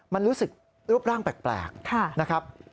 มันรู้สึกรูปร่างแปลกนะครับ